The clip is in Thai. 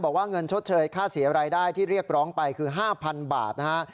บอกว่าเงินชดเชยค่าเสียรายได้ที่เรียกร้องไปคือ๕๐๐๐บาทนะฮะ